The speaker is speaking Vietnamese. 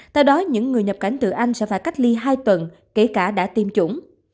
tại đó những người nhập cảnh từ anh sẽ phải cách ly hai tuần kể cả đã tiêm chủng